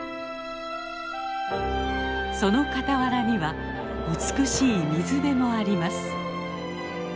その傍らには美しい水辺もあります。